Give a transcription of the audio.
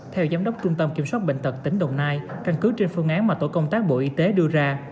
theo giám đốc trung tâm kiểm soát bệnh tật tỉnh đồng nai căn cứ trên phương án mà tổ công tác bộ y tế đưa ra